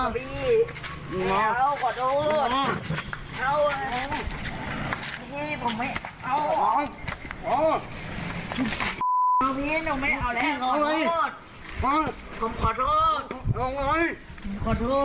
พี่ผมไม่เอาเอาเอาเอาพี่น้องแม่เอาแล้วขอโทษ